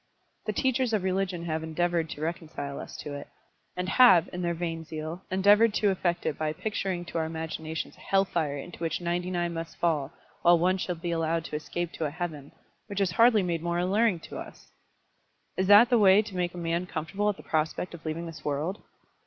The teachers of religion have endeavoured to reconcile us to it, and have, in their vain zeal, endeavoured to effect it by picturing to our imaginations a hell fire into which ninety nine must fall; while one shall be allowed to escape to a heaven, which is hardly made more alluring to us! Is that the way to make a man comfortable at the prospect of leaving this world?